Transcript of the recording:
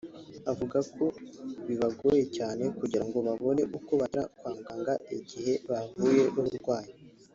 avuga ko bibagora cyane kugirango babone uko bagera kwa muganga igihe bahuye n’uburwayi